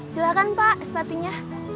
silakan pak sepatunya